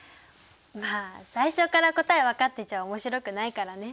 まあ最初から答え分かってちゃ面白くないからね。